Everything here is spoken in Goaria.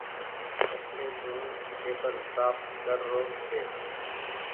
ٻٽڪي سون ٽيبل سآڦ ڪر رو ڇي۔